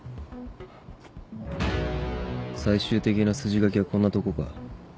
最終的な筋書きはこんなとこか。